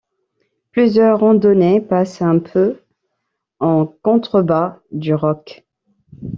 Plusieurs randonnées passent un peu en contrebas du roc.